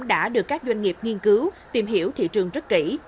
đã được các doanh nghiệp nghiên cứu tìm hiểu thị trường rất kỹ